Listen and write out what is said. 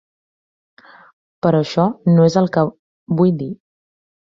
Però això no és el que vull dir.